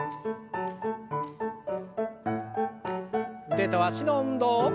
腕と脚の運動。